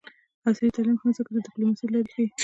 عصري تعلیم مهم دی ځکه چې د ډیپلوماسۍ لارې ښيي.